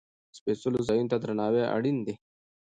سپېڅلو ځایونو ته درناوی اړین دی.